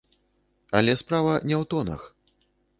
Але справа не ў тонах.